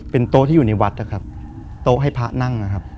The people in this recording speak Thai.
เป็นโต๊ะที่อยู่ในวัดนะครับโต๊ะให้พระนั่งนะครับ